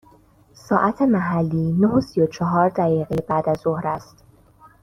ساعت محلی نه و سی و چهار دقیقه بعد از ظهر است.